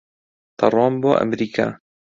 دەڕۆم بۆ ئەمریکا.